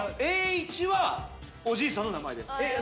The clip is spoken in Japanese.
市はおじいさんの名前ですえっ